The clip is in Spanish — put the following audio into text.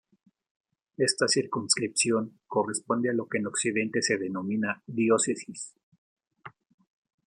Esta circunscripción corresponde a lo que en Occidente se denomina diócesis.